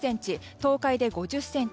東海で５０ｃｍ